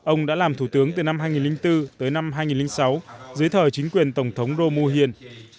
ông đã làm thủ tướng từ năm hai nghìn bốn tới năm hai nghìn sáu dưới thời chính quyền tổng thống roh moo hyun